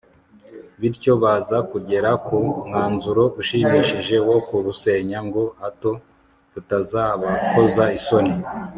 bityo baza kugera ku mwanzuro ushimishije wo kurusenya ngo hato rutazabakoza isoni